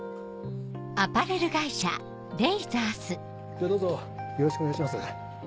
ではどうぞよろしくお願いします。